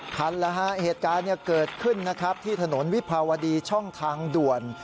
คันแล้วฮะเหตุการณ์เกิดขึ้นนะครับที่ถนนวิภาวดีช่องทางด่วน